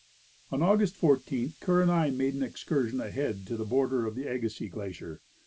On August 14, Kerr and I made an excursion ahead to the border of the Agassiz glacier.